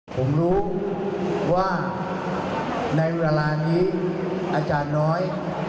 ผมรู้ว่าในเวลานี้อาจารย์น้อย